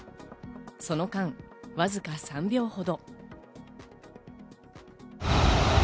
その間、わずか３秒ほど。